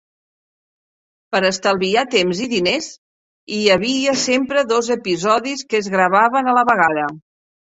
Per estalviar temps i diners, hi havia sempre dos episodis que es gravaven a la vegada.